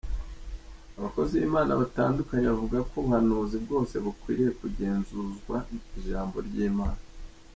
Abakozi b’Imana batandukanye bavuga ko ubuhanuzi bwose bukwiye kugenzuzwa ijambo ry’Imana.